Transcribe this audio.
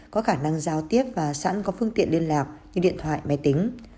có khả năng giao tiếp và sẵn có phương tiện liên lạc như điện thoại máy tính